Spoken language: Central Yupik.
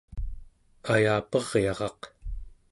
ayaperyaraq